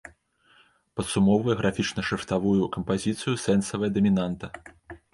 Падсумоўвае графічна-шрыфтавую кампазіцыю сэнсавая дамінанта.